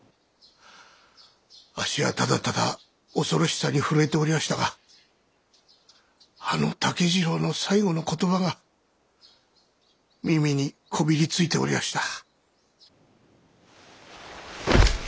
あっしはただただ恐ろしさに震えておりやしたがあの竹次郎の最期の言葉が耳にこびりついておりやした。